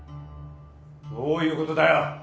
どういうことだよ！？